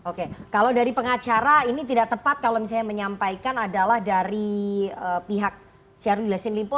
oke kalau dari pengacara ini tidak tepat kalau misalnya menyampaikan adalah dari pihak syahrul yassin limpo